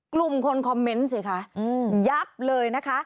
กลุ่มคนคอมเมนต์สิคะยับเลยนะคะ